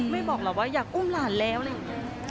บอกหรอกว่าอยากอุ้มหลานแล้วอะไรอย่างนี้